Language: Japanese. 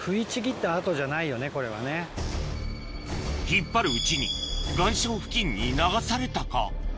引っ張るうちに岩礁付近に流されたか？